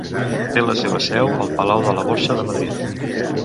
Té la seva seu al Palau de la Borsa de Madrid.